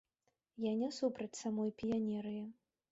Я не супраць самой піянерыі.